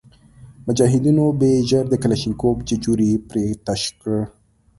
مجاهدینو به ژر د کلشینکوف ججوري پرې تش کړ.